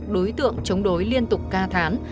đối tượng chống đối liên tục ca thán